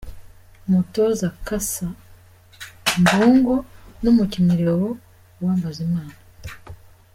Umutoza Cassa Mbungo n’umukinnyi Leon Uwambazimana.